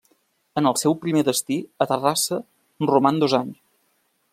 En el seu primer destí, a Terrassa, roman dos anys.